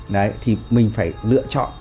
đấy thì mình phải lựa chọn